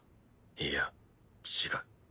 いや違う。